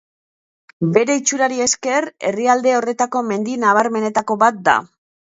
Bere itxurari esker herrialde horretako mendi nabarmenetako bat da.